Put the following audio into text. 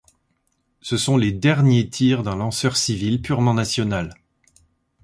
Ce sont les derniers tirs d'un lanceur civil purement national.